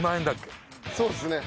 そうですね。